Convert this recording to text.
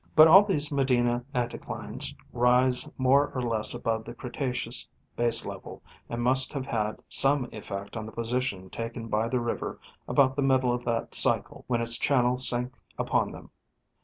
But all these Medina anticlines rise more or less above the Cretaceous baselevel, and must have had some effect on the position taken by the river about the middle of that cycle when its channel sank upon them.